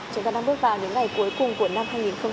chúng ta đang bước vào những ngày cuối cùng của năm hai nghìn hai mươi